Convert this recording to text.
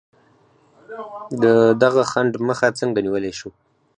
د دغه خنډ مخه څنګه نیولای شو؟